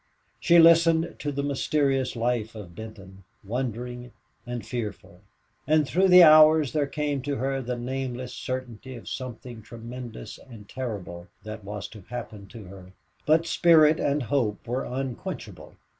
She listened to the mysterious life of Benton, wondering and fearful; and through the hours there came to her the nameless certainty of something tremendous and terrible that was to happen to her. But spirit and hope were unquenchable.